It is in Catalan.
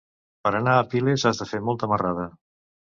Per anar a Piles has de fer molta marrada.